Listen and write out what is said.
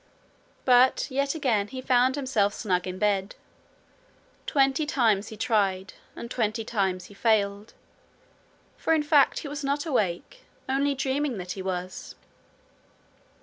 But yet again he found himself snug in bed. Twenty times he tried, and twenty times he failed; for in fact he was not awake, only dreaming that he was.